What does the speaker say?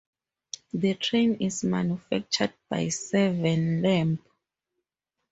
The train is manufactured by Severn Lamb.